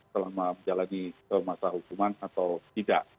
selama berjalan di mata hukuman atau tidak